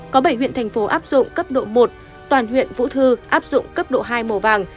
có bảy huyện thành phố áp dụng cấp độ một toàn huyện vũ thư áp dụng cấp độ hai màu vàng